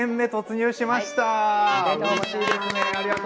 うれしいですね！